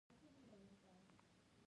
دا ملګری پيژنې؟